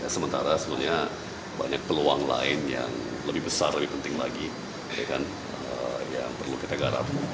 sementara sebenarnya banyak peluang lain yang lebih besar lebih penting lagi yang perlu kita garap